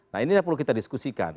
nah ini yang perlu kita diskusikan